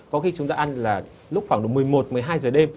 có khi chúng ta ăn lúc khoảng một mươi một một mươi hai giờ đêm